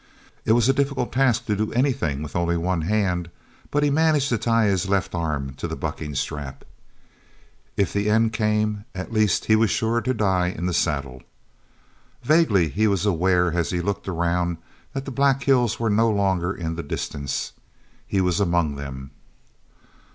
It was a difficult task to do anything with only one hand, but he managed to tie his left arm to the bucking strap. If the end came, at least he was sure to die in the saddle. Vaguely he was aware as he looked around that the black hills were no longer in the distance. He was among them.